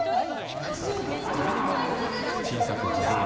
８２ｃｍも海水が上がってきたらどうなるんですか！